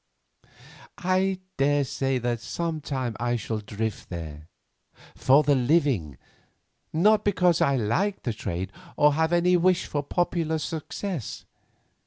I daresay that some time I shall drift there—for the living—not because I like the trade or have any wish for popular success.